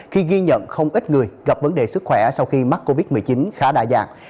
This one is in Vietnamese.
khi ghi nhận không ít người gặp vấn đề sức khỏe sau khi mắc covid một mươi chín khá đa dạng